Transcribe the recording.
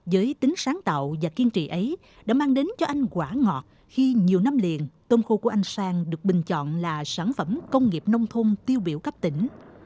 giới tính sáng tạo và kiên trì ấy đã mang đến cho anh quả ngọt khi nhiều năm liền tôm khô của anh sang được bình chọn là sản phẩm công nghiệp nông thôn tiêu biểu cấp tỉnh